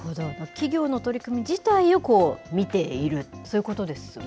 企業の取り組み自体を見ている、そういうことですよね。